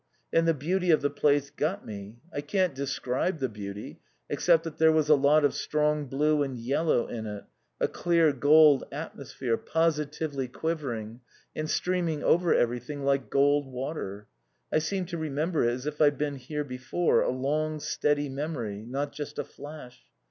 And the beauty of the place got me. I can't describe the beauty, except that there was a lot of strong blue and yellow in it, a clear gold atmosphere, positively quivering, and streaming over everything like gold water. I seemed to remember it as if I'd been here before, a long, steady memory, not just a flash.